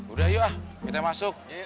udah yuk ah kita masuk